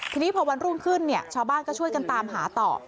ทีนี้พอวันรุ่งขึ้นเนี่ยชาวบ้านก็ช่วยกันตามหาต่อ